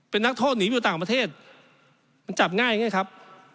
เป็นนักโทษหนีไปอยู่ต่างประเทศมันจับง่ายอย่างงี้นะครับ